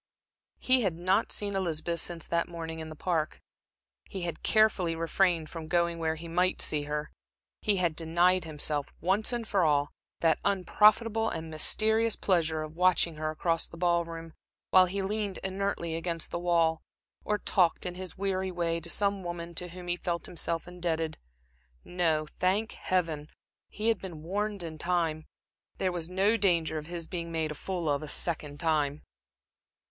He had not seen Elizabeth since that morning in the Park. He had carefully refrained from going where he might see her. He had denied himself, once for all, that unprofitable and mysterious pleasure of watching her across the ball room, while he leaned inertly against the wall, or talked, in his weary way, to some woman to whom he felt himself indebted. No, thank Heaven, he had been warned in time; there was no danger of his being made a fool of a second time.